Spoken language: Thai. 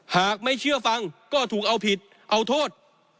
หากไม่เชื่อฟังก็ถูกเอาผิดเอาโทษ